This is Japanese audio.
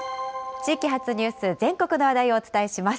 地域発ニュース、全国の話題をお伝えします。